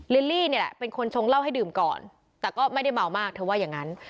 ลิลลี่เนี่ยแหละเป็นคนชงเหล้าให้ดื่มก่อนแต่ก็ไม่ได้เมามากเธอว่าอย่างนั้น